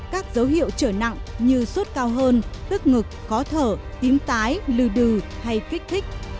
các dấu hiệu trở nặng như sốt cao hơn tức ngực khó thở tím tái lưu đừ hay kích thích